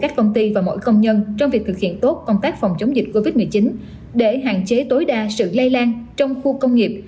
các công ty và mỗi công nhân trong việc thực hiện tốt công tác phòng chống dịch covid một mươi chín để hạn chế tối đa sự lây lan trong khu công nghiệp